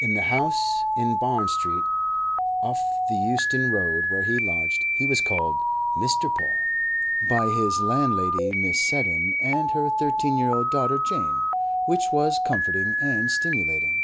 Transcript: In the house in Barn Street, off the Euston Road, where he lodged, he was called "Mr. Paul" by his landlady, Mrs. Seddon, and her thirteen year old daughter, Jane, which was comforting and stimulating.